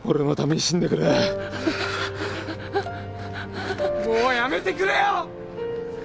もうやめてくれよ！